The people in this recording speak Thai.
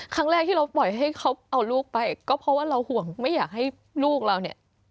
ครั้งแรกที่เราปล่อยให้เขาเอาลูกไปก็เพราะว่าเราห่วงไม่อยากให้ลูกเราเนี่ย